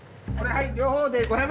はい。